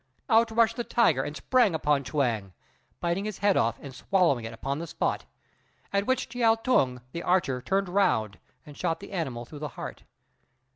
Out rushed the tiger and sprung upon Chuang, biting his head off, and swallowing it upon the spot; at which Chiao T'ung, the archer, turned round and shot the animal through the heart.